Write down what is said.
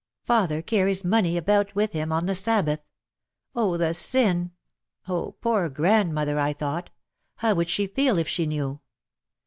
"Father carries money about with him on the Sabbath. Oh, the sin! Oh, poor grandmother, ,, I thought, "how would she feel if she knew.